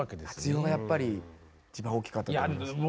「夏色」がやっぱり一番大きかったと思います。